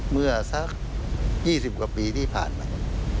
เมื่อสัก๒๐กว่าปีที่ผ่านมา